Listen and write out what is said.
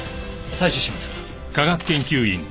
採取します。